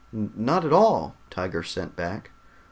"Not at all," Tiger sent back.